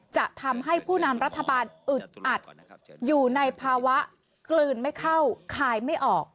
จะทำให้ผู้นำรัฐบาลอึดอัดอยู่ในภาวะกลืนไม่เข้าคายไม่ออก